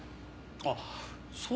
あっそうか！